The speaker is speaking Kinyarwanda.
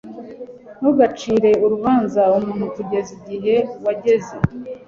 ntugacire urubanza umuntu kugeza igihe wagenze